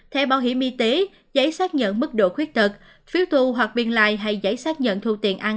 thẻ bảo hiểm y tế giấy xác nhận mức độ khuyết tật phiếu thu hoặc biên lai hay giấy xác nhận thu tiền ăn